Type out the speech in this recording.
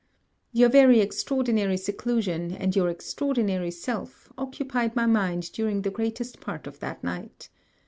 Your very extraordinary seclusion and your extraordinary self, occupied my mind during the greatest part of that night.